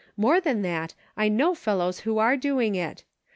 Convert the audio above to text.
More than that, I know fellows who are doing it.